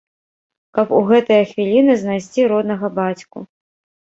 Каб у гэтыя хвіліны знайсці роднага бацьку!